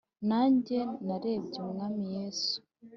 Nanjye narebye Umwami Yesu,